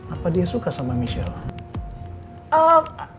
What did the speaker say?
apa dia suka sama michelle